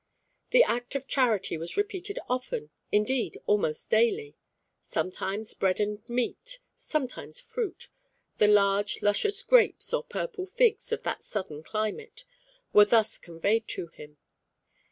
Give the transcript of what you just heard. The act of charity was repeated often, indeed almost daily. Sometimes bread and meat, sometimes fruit the large luscious grapes or purple figs of that southern climate were thus conveyed to him.